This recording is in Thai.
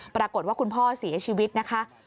ปรากฏว่าคุณพ่อเสียชีวิตนะคะ